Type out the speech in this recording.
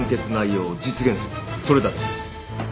それだけだ。